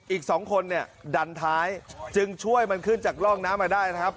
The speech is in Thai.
อีกสองคนเนี่ยดันท้ายจึงช่วยมันขึ้นจากร่องน้ำมาได้นะครับ